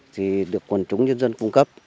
thì được quần chúng nhân dân cung cấp